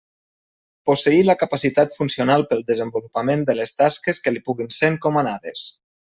Posseir la capacitat funcional pel desenvolupament de les tasques que li puguin ser encomanades.